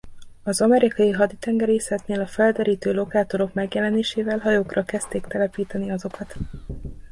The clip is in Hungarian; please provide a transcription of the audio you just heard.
Az amerikai haditengerészetnél a felderítő lokátorok megjelenésével hajókra kezdték telepíteni azokat.